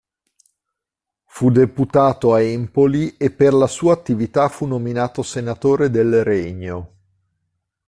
Fu deputato a Empoli e per la sua attività fu nominato senatore del Regno.